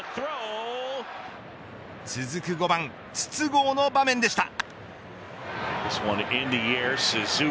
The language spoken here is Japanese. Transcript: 続く５番、筒香の場面でした。